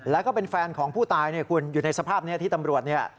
แล้วก็เป็นแฟนของผู้ตายเนี่ยคุณอยู่ในสภาพนี้ที่ตำรวจเนี่ย